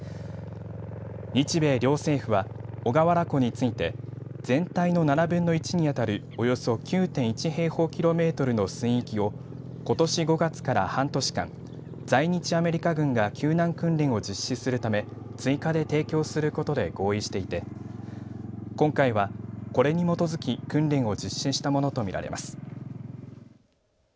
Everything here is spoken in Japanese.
日米両政府は、小川原湖について全体の７分の１に当たるおよそ９．１平方キロメートルの水域をことし５月から半年間在日アメリカ軍が救難訓練を実施するため追加で提供することで合意していて今回はこれに基づき訓練を実施したものと見られます。